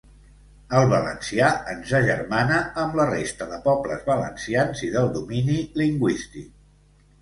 El valencià ens agermana amb la resta de pobles valencians i del domini lingüístic.